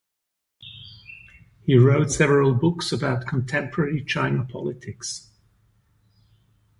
He wrote several books about contemporary China politics.